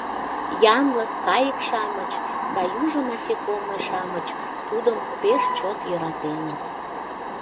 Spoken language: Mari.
Янлык, кайык-шамыч да южо насекомый-шамыч тудым пеш чот йӧратеныт.